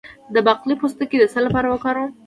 د باقلي پوستکی د څه لپاره وکاروم؟